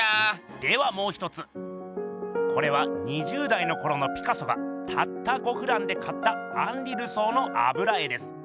ではもう一つこれは２０代のころのピカソがたった５フランで買ったアンリ・ルソーのあぶら絵です。